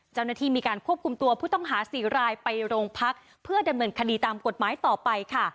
เจ้าหน้าที่มีการควบคุมตัวผู้ต้องหา๔รายไปโรงพักเพื่อดำเนินคดีตามกฎหมายต่อไปค่ะ